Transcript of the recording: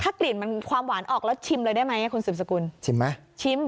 กลิ่นมันความหวานออกแล้วชิมเลยได้ไหมคุณสืบสกุลชิมไหมชิม